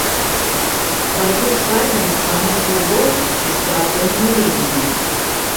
Бардзюр складзены з прамых вуглоў у бесперапынную лінію.